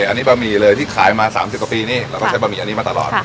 อันนี้บะหมี่เลยที่ขายมา๓๐กว่าปีนี่เราก็ใช้บะหมี่อันนี้มาตลอด